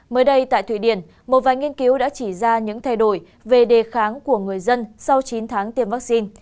mới đây tại thụy điển một vài nghiên cứu đã chỉ ra những thay đổi về đề kháng của người dân sau chín tháng tiêm vaccine